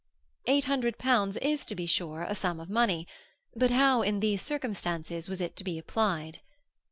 Eight hundred pounds is, to be sure, a sum of money; but how, in these circumstances, was it to be applied?